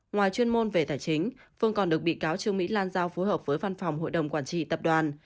ngoài chuyên môn về tài chính phương còn được bị cáo trương mỹ lan giao phối hợp với văn phòng hội đồng quản trị tập đoàn